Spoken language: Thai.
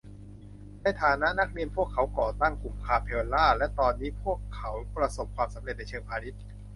ในฐานะนักเรียนพวกเขาก่อตั้งกลุ่มคาเพลลาและตอนนี้พวกเขาประสบความสำเร็จในเชิงพาณิชย์